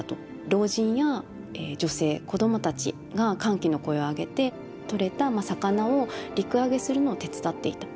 老人や女性子供たちが歓喜の声を上げて取れた魚を陸揚げするのを手伝っていた。